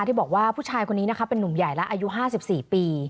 ที่บอกว่าผู้ชายคนนี้นะคะเป็นนุ่มใหญ่แล้วอายุ๕๔ปี